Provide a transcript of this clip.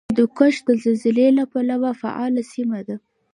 هندوکش د زلزلې له پلوه فعاله سیمه ده